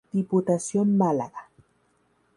Diputación Málaga.